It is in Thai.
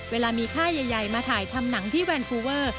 เวลามีค่ายใหญ่มาถ่ายทำหนังที่แวนฟูเวอร์